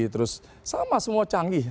terus sama semua canggih